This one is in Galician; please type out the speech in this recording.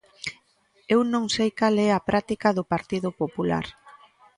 Eu non sei cal é a práctica do Partido Popular.